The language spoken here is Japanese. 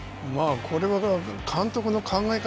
これは監督の考え方